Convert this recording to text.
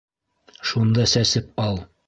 — Шунда сәсеп ал.